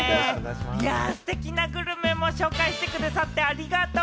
ステキなグルメも紹介してくださってありがとう。